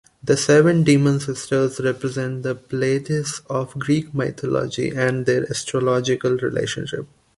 The seven demon-sisters represent the Pleiades of Greek mythology and their astrological relationship.